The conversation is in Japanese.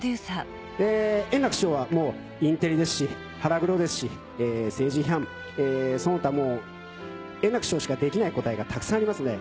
円楽師匠はもうインテリですし、腹黒ですし、政治批判、その他、もう円楽師匠しかできない答えがたくさんありますね。